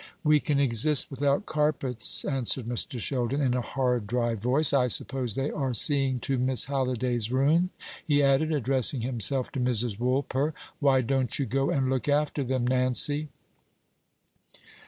"We can exist without carpets," answered Mr. Sheldon, in a hard dry voice. "I suppose they are seeing to Miss Halliday's room?" he added, addressing himself to Mrs. Woolper. "Why don't you go and look after them, Nancy?"